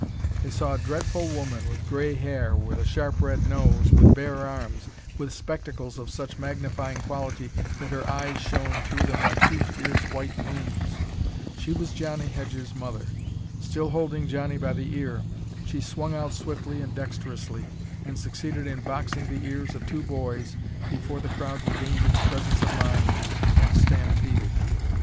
They saw a dreadful woman with gray hair, with a sharp red nose, with bare arms, with spectacles of such magnifying quality that her eyes shone through them like two fierce white moons. She was Johnnie Hedge's mother. Still holding Johnnie by the ear, she swung out swiftly and dexterously, and succeeded in boxing the ears of two boys before the crowd regained its presence of mind and stampeded.